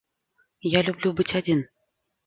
Я люблю быть один.